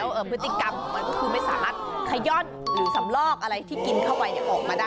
พฤติกรรมของมันก็คือไม่สามารถขย่อนหรือสำลอกอะไรที่กินเข้าไปออกมาได้